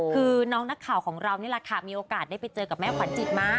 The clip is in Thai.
คือน้องนักข่าวของเรานี่แหละค่ะมีโอกาสได้ไปเจอกับแม่ขวัญจิตมา